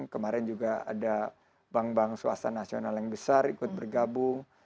kemarin juga ada bank bank swasta nasional yang besar ikut bergabung